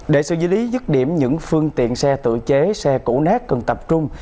để sự dư lý dứt điểm những phương tiện xe tự chế xe củ nát cần tập trung